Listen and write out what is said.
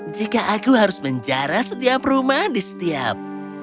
jika aku harus menjara setiap rumah di setiap